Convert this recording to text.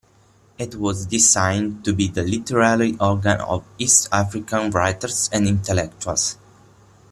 It was designed to be the literary organ of East African writers and intellectuals.